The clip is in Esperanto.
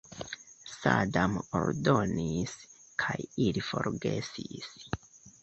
Sadam ordonis, kaj ili forgesis.